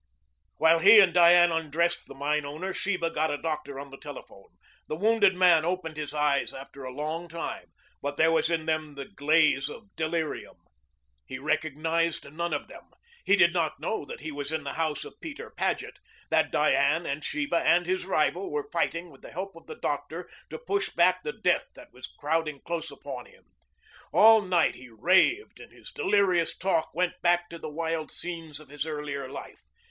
While he and Diane undressed the mine owner Sheba got a doctor on the telephone. The wounded man opened his eyes after a long time, but there was in them the glaze of delirium. He recognized none of them. He did not know that he was in the house of Peter Paget, that Diane and Sheba and his rival were fighting with the help of the doctor to push back the death that was crowding close upon him. All night he raved, and his delirious talk went back to the wild scenes of his earlier life.